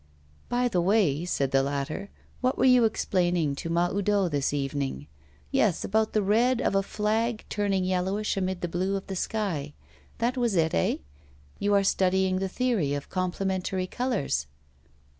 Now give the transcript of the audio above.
'By the way,' said the latter, 'what were you explaining to Mahoudeau this evening? Yes, about the red of a flag turning yellowish amid the blue of the sky. That was it, eh? You are studying the theory of complementary colours.